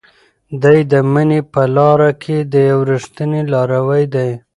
دی د مینې په لار کې یو ریښتینی لاروی دی.